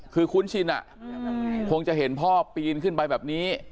คือคุ้นชินคงจะเห็นพ่อปีนขึ้นไปแบบนี้